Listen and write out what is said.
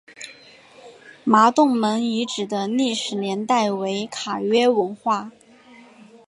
麻洞门遗址的历史年代为卡约文化。